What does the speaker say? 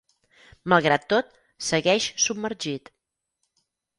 Malgrat tot, segueix submergit.